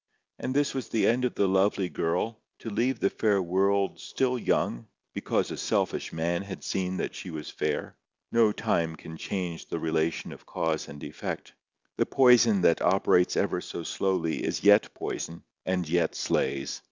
And this was the end of the lovely girl—to leave the fair world still young, because a selfish man had seen that she was fair! No time can change the relation of cause and effect. The poison that operates ever so slowly is yet poison, and yet slays.